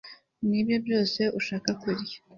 nibyo byose ushaka kurya